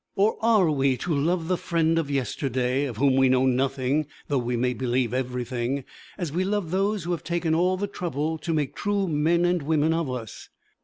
Or are we to love the friend of yesterday, of whom we know nothing though we may believe everything, as we love those who have taken all the trouble to make true men and women of us?